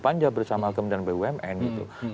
panja bersama kementerian bumn